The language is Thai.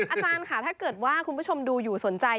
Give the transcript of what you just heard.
อาจารย์ค่ะถ้าเกิดว่าคุณผู้ชมดูอยู่สนใจ